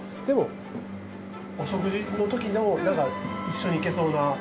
でもお食事のときでも一緒にいけそうな。